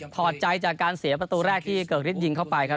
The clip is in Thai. อดใจจากการเสียประตูแรกที่เกิกฤทธิยิงเข้าไปครับ